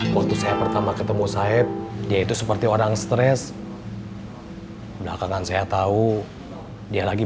waktu saya pertama ketemu said dia itu seperti orang stres belakangan saya tahu dia lagi